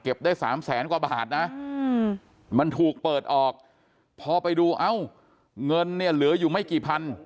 ได้สามแสนกว่าบาทนะมันถูกเปิดออกพอไปดูเอ้าเงินเนี่ยเหลืออยู่ไม่กี่พัน